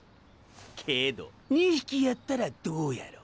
けど２匹やったらどうやろ？